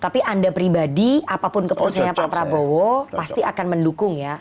tapi anda pribadi apapun keputusannya pak prabowo pasti akan mendukung ya